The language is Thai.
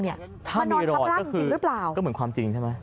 มานอนทับร่างจริงหรือเปล่าก็เหมือนความจริงใช่ไหม